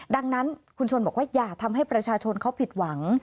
ดังนั้นคุณชนบอกว่าอย่าทำให้ประชาชนเขาผิดหวัง